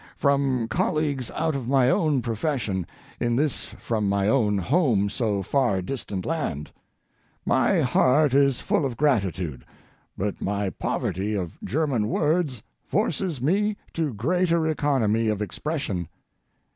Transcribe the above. From colleagues out of my own profession, in this from my own home so far distant land. My heart is full of gratitude, but my poverty of German words forces me to greater economy of expression.